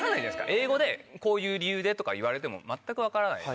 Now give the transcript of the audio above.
英語で「こういう理由で」とか言われても全く分からないので。